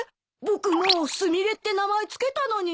僕もうスミレって名前付けたのに。